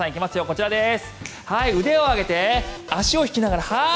こちらです。